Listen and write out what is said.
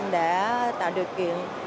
đã tạo được kiện